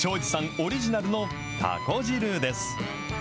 オリジナルの多幸汁です。